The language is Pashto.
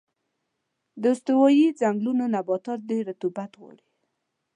د استوایي ځنګلونو نباتات ډېر رطوبت غواړي.